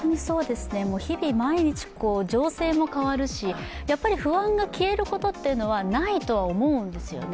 日々、毎日情勢も変わるし不安が消えることはないと思うんですよね。